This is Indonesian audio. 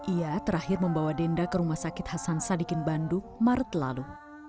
ia terakhir membawa denda ke rumah sakit hasan sadikin bandung maret lalu